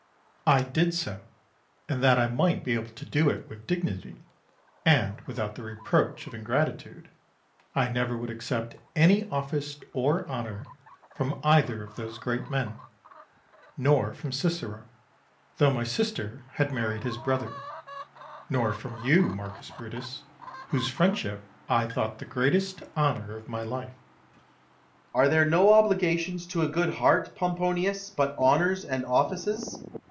Atticus. I did so and that I might be able to do it with dignity, and without the reproach of ingratitude, I never would accept any office or honour from either of those great men; nor from Cicero, though my sister had married his brother; nor from you, Marcus Brutus, whose friendship I thought the greatest honour of my life. Brutus. Are there no obligations to a good heart, Pomponius, but honours and offices?